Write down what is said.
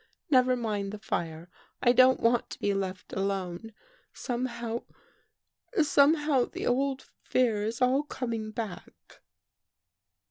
Never mind the lire. I don't want to be left alone. Somehow — somehow the old fear is all coming back."